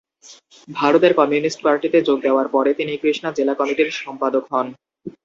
ভারতের কমিউনিস্ট পার্টিতে যোগ দেওয়ার পরে তিনি কৃষ্ণা জেলা কমিটির সম্পাদক হন।